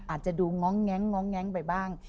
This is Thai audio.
อาจจะดูง้องแง๊งไปบ้าง